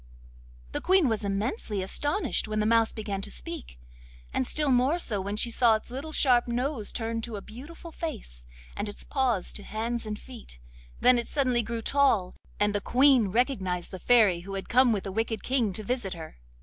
The Queen was immensely astonished when the Mouse began to speak, and still more so when she saw its little sharp nose turn to a beautiful face, and its paws to hands and feet; then it suddenly grew tall, and the Queen recognised the Fairy who had come with the wicked King to visit her.